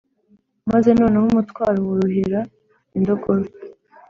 maze noneho umutwaro worohera indogobe